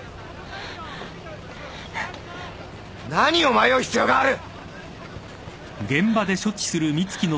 何を迷う必要がある！